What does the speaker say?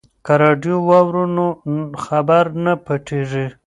که راډیو واورو نو خبر نه پټیږي.